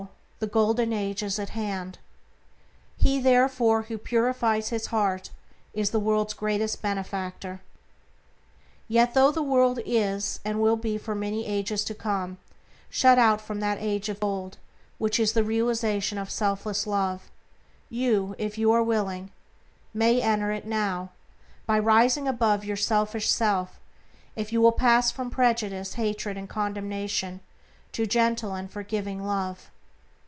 the Golden Age is at hand. He, therefore, who purifies his own heart is the world's greatest benefactor. Yet, though the world is, and will be for many ages to come, shut out from that Age of Gold, which is the realization of selfless Love, you, if you are willing, may enter it now, by rising above your selfish self; if you will pass from prejudice, hatred, and condemnation, to gentle and forgiving love.